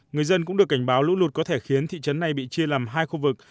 người dân cũng được cảnh báo lũ lụt có thể khiến thị trấn này bị chia làm hai khu vực